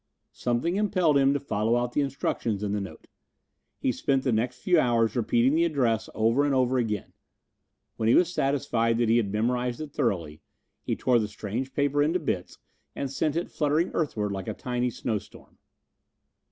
Something impelled him to follow out the instructions in the note. He spent the next few hours repeating the address over and over again. When he was satisfied that he had memorized it thoroughly, he tore the strange paper into bits and sent it fluttering earthward like a tiny snowstorm.